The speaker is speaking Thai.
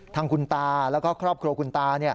ทางคุณตาแล้วก็ครอบครัวคุณตา